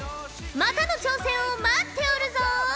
またの挑戦を待っておるぞ！